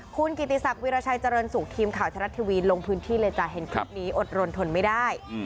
คุณกิติศักดิราชัยเจริญสุขทีมข่าวชะลัดทีวีลงพื้นที่เลยจ้ะเห็นคลิปนี้อดรนทนไม่ได้